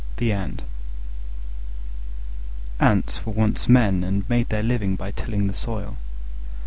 THE ANT Ants were once men and made their living by tilling the soil.